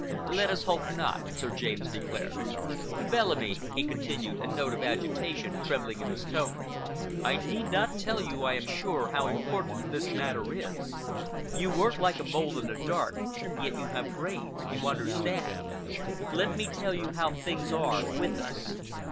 "Let us hope not," Sir James declared. "Bellamy," he continued, a note of agitation trembling in his tone, "I need not tell you, I am sure, how important this matter is. You work like a mole in the dark, yet you have brains,—you understand. Let me tell you how things are with us.